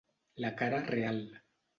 La cara real.